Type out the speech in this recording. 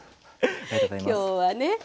今日はね